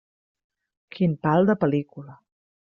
Quin pal de pel·lícula.